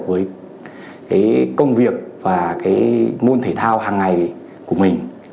với công việc và môn thể thao hàng ngày của mình